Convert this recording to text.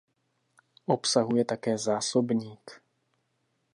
Obsahuje také zásobník.